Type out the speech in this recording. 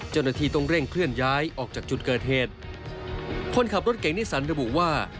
เจ้าหน้าที่ต้องเร่งเคลื่อนย้ายออกจากจุดเกิดเหตุคนขับรถเก่งนิสันระบุว่า